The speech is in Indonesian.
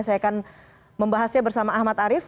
saya akan membahasnya bersama ahmad arief